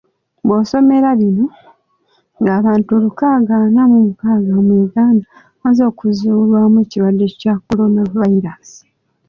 Bwosomera bino, ng'abantu lukaaga ana mu mukaaga mu Uganda bamaze okuzuulwamu ekirwadde kya coronavirus.